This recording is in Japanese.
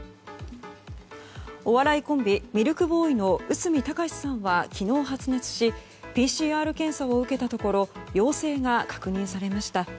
お笑いコンビ、ミルクボーイの内海崇さんは昨日発熱しＰＣＲ検査を受けたところ陽性が確認されました。